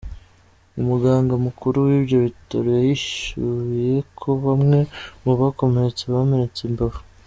Umuganga mukuru w’ibyo bitaro yahishuye ko bamwe mu bakomeretse bamenetse imbavu.